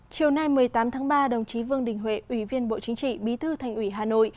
chiều nay một mươi tám tháng ba đồng chí vương đình huệ ủy viên bộ chính trị bí thư thành ủy hà nội